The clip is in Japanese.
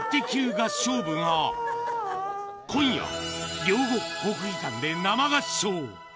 合唱部が、今夜、両国国技館で生合唱。